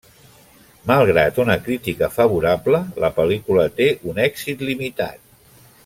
Malgrat una crítica favorable, la pel·lícula té un èxit limitat.